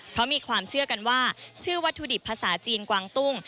เพราะมีความเชื่อกันว่าชื่อวัตถุดิบภาษาจีนกวางตุ้ง